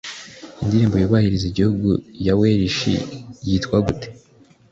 Indirimbo yubahiriza igihugu ya Welsh yitwa gute?